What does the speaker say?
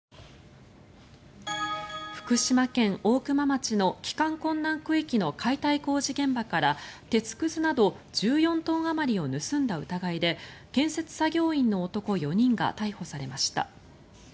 福島県大熊町の帰還困難区域の解体工事現場から鉄くずなど１４トンあまりを盗んだ疑いで建設作業員の男４人が逮捕されました。